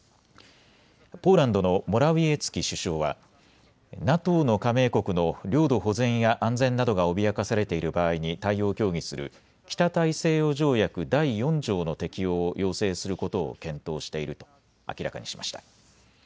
ポーランドのモラウィエツキ首相はＮＡＴＯの加盟国の領土保全や安全などが脅かされている場合に対応を協議する北大西洋条約第４条の適用を要請することを検討していると明らかにしました。